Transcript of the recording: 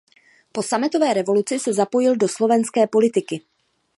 Po sametové revoluci se zapojil do slovenské politiky.